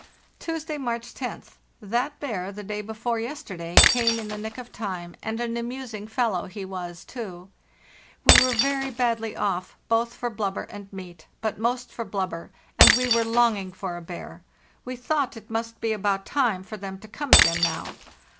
"Tuesday, March 1oth. That bear the day before yesterday came in the nick of time, and an amusing fellow he was, too. We were very badly off both for blubber and meat, but most for blubber, and we were longing for a bear; we thought it must be about time for them to come again now.